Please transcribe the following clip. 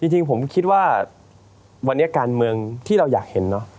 จริงผมคิดว่าวันนี้การเมืองที่เราอยากเห็นเนอะ